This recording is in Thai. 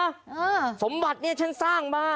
เอ่ออืมสมบัติฉันสร้างมา